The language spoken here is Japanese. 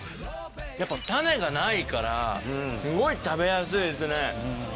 やっぱ種がないからすごい食べやすいですね。